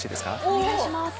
お願いします。